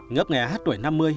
ngớp nghè hát tuổi năm mươi